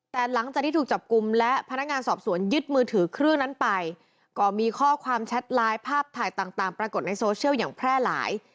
แต่หลังจากที่ถูกจับกลุ่มและพนักงานสอบสวนยึดมือถือเครื่องนั้นไปก็มีข้อความแชทไลน์ภาพถ่ายต่างปรากฏในโซเชียลอย่างแพร่หลาย